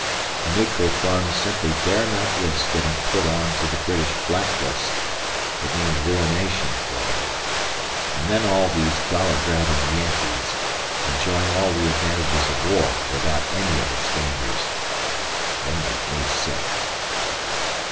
The neutral firms simply dare not risk getting put on to the British Black List; it means ruination for them. And then all these dollar grabbing Yankees, enjoying all the advantages of war without any of its dangers they make me sick.